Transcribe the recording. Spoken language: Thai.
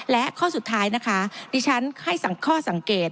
และข้อสุดท้ายนะคะดิฉันให้ข้อสังเกต